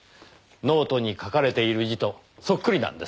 ノートに書かれている字とそっくりなんです。